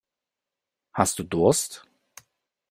Hast du Durst?